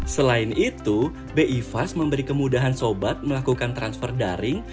selain itu bi fas memberi kemudahan sobat melakukan transfer daring